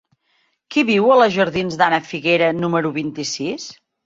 Qui viu a la jardins d'Ana Figuera número vint-i-sis?